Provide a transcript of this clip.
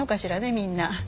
みんな。